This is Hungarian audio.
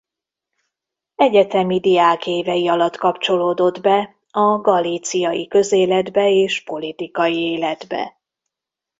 Egyetemi diákévei alatt kapcsolódott be a galíciai közéletbe és politikai életbe.